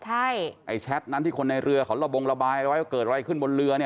ใช่ไอ้แชทนั้นที่คนในเรือเขาระบงระบายเอาไว้ว่าเกิดอะไรขึ้นบนเรือเนี่ย